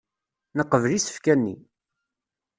Neqbel isefka-nni.